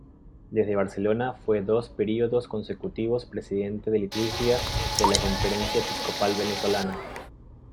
Desde Barcelona fue dos períodos consecutivos presidente de Liturgia de la Conferencia Episcopal Venezolana.